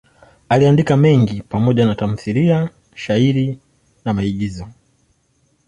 Aliandika mengi pamoja na tamthiliya, shairi na maigizo.